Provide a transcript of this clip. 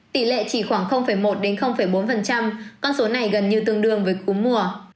tỷ lệ chỉ khoảng một bốn con số này gần như tương đương với cúm mùa